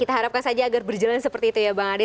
kita harapkan saja agar berjalan seperti itu ya bang ade